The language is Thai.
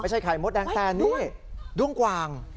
ไม่ใช่ไข่มดแดงแต่นี่ดวงกว่าง